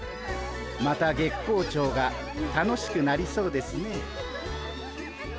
また月光町が楽しくなりそうですね。